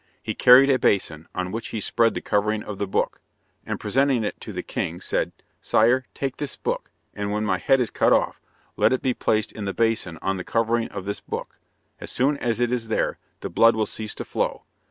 He carried a basin, on which he spread the covering of the book, and presenting it to the king, said: "Sire, take this book, and when my head is cut off, let it be placed in the basin on the covering of this book; as soon as it is there, the blood will cease to flow.